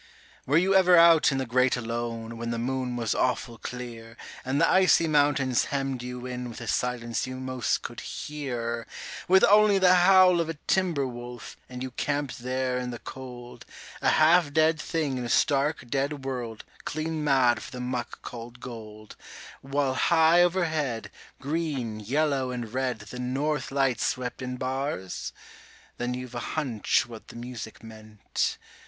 Were you ever out in the Great Alone, when the moon was awful clear, And the icy mountains hemmed you in with a silence you most could hear; With only the howl of a timber wolf, and you camped there in the cold, A half dead thing in a stark, dead world, clean mad for the muck called gold; While high overhead, green, yellow and red, the North Lights swept in bars? Then you've a haunch what the music meant.